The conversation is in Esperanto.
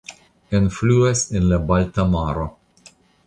Enfluas en la Balta Maro.